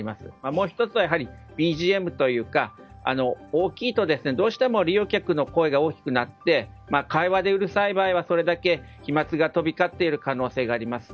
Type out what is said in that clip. もう１つはＢＧＭが大きいとどうしても利用客の声が大きくなって会話でうるさい場合はそれだけ飛沫が飛び交っている可能性があります。